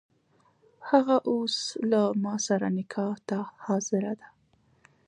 هغه اوس له ماسره نکاح ته حاضره ده.